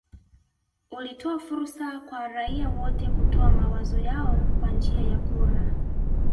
Ulitoa fursa kwa raia wote kutoa mawazo yao kwa njia ya kura